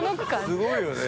すごいよね。